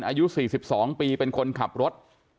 อายุ๔๒ปีเป็นคนขับรถ